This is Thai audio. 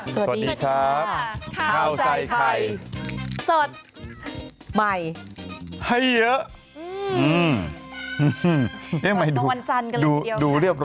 สวัสดีครับข้าวใส่ไข่สดใหม่ใหญ่เยอะ